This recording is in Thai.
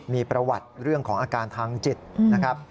มีประวัติเรื่องของอาการทางจิตนะครับ